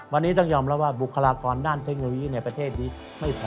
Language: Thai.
วันนี้ต้องยอมรับว่าบุคลากรด้านเทคโนโลยีในประเทศนี้ไม่พอ